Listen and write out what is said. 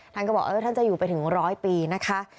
ท่านก็บอกท่านจะอยู่ไปถึงร้อยปีนะคะ